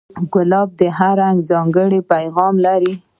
ګلاب د هر رنگ ځانګړی پیغام لري.